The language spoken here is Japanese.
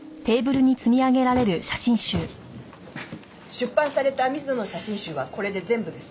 出版された水野の写真集はこれで全部です。